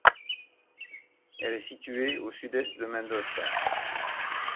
Elle est située au sud-est de Mendoza.